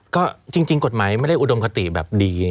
ก็จริงกฎหมายไม่ได้อุดมคติแบบดี